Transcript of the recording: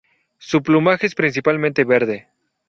Su plumaje es principalmente verde.